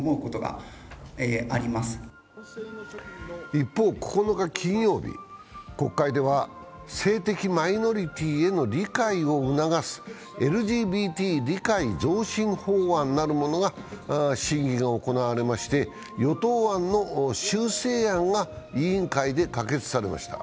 一方、９日金曜日、国会では性的マイノリティーへの理解を促すＬＧＢＴ理解増進法案なるものが審議が行われまして与党案の修正案が委員会で可決されました。